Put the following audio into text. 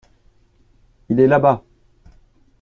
Il est là-bas.